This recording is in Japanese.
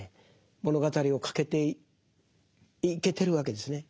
物語を書けていけてるわけですね。